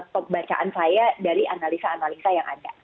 pembacaan saya dari analisa analisa yang ada